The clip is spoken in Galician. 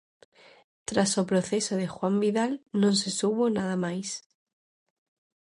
Tras o proceso de Juan Vidal, non se soubo nada máis.